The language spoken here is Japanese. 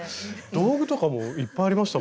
道具とかもいっぱいありましたもんね。